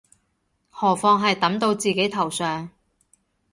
何況係揼到自己頭上